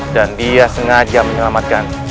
dan dia sengaja menyelamatkan